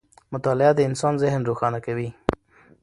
مطالعه د انسان ذهن روښانه کوي.